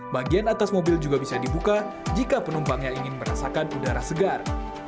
bagian atas mobil juga bisa dibuka jika penumpangnya ingin merasakan udara segar